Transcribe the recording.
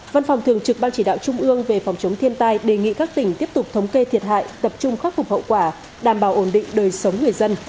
văn phòng thường trực ban chỉ đạo trung ương về phòng chống thiên tai đề nghị các tỉnh tiếp tục thống kê thiệt hại tập trung khắc phục hậu quả đảm bảo ổn định đời sống người dân